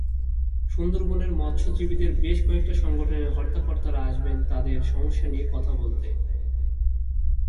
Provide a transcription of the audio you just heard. সুন্দরবনের মৎস্যজীবীদের বেশ কয়েকটা সংগঠনের হর্তাকর্তারা আসবেন তাঁদের সমস্যা নিয়ে কথা বলতে।